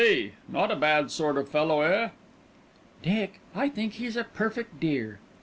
B.? Not a bad sort of fellow, eh?" "Dick, I think he's a perfect dear."